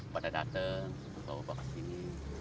bapak datang bawa bawa ke sini